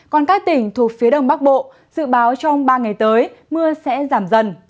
còn các tỉnh thuộc phía đông bắc bộ dự báo trong ba ngày tới mưa sẽ giảm dần